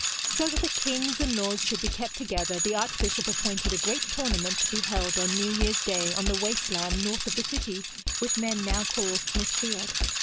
So that the kings and lords should be kept together, the archbishop appointed a great tournament to be held on New Year's Day on the waste land north of the city, which men now call Smithfield.